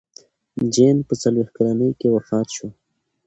جین په څلوېښت کلنۍ کې وفات شوه.